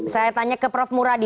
saya tanya ke prof muradi